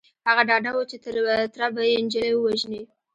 هغه ډاډه و چې تره به يې نجلۍ ووژني.